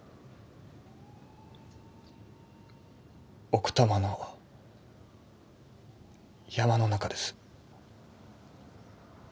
奥多摩の山の中です。